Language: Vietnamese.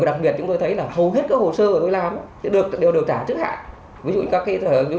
là chúng tôi đã nhận được kết quả